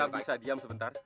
anda bisa diam sebentar